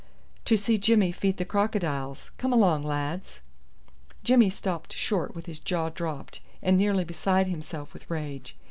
"To see Jimmy feed the crocodiles. Come along, lads." Jimmy stopped short with his jaw dropped, and nearly beside himself with rage.